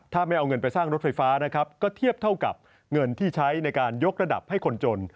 ถ้าไม่เอาเงินไปสร้างรถไฟฟ้านะครับก็เทียบเท่ากับเงินที่ใช้ในการยกระดับให้คนจน